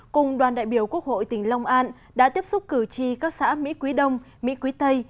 cùng đoàn đại biểu quốc hội tỉnh long an đã tiếp xúc cử tri các xã mỹ quý đông mỹ quý tây